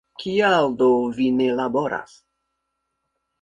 Kial do vi ne laboras?